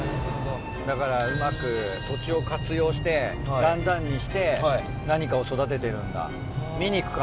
だからうまく土地を活用して段々にして何かを育ててるんだ。